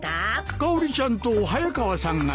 かおりちゃんと早川さんが来た。